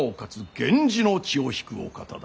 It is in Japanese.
源氏の血を引くお方だ。